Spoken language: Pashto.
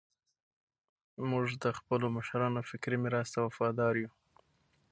موږ د خپلو مشرانو فکري میراث ته وفادار یو.